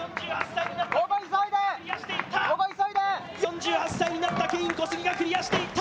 ４８歳になったケイン・コスギがクリアしていった。